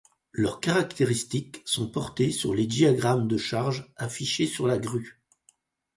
Leurs caractéristiques sont portées sur les diagrammes de charge affichés sur la grue.